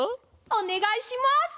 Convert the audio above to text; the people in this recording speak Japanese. おねがいします。